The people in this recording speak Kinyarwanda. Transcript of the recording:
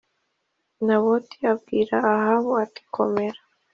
Naboti abwira Ahabu ati komera